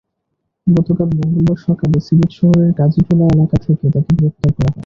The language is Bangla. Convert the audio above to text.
গতকাল মঙ্গলবার সকালে সিলেট শহরের কাজীটোলা এলাকা থেকে তাঁকে গ্রেপ্তার করা হয়।